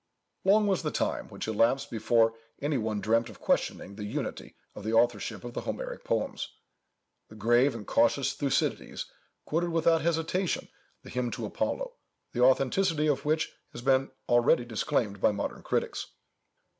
'" Long was the time which elapsed before any one dreamt of questioning the unity of the authorship of the Homeric poems. The grave and cautious Thucydides quoted without hesitation the Hymn to Apollo, the authenticity of which has been already disclaimed by modern critics.